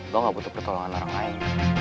doa gak butuh pertolongan orang lain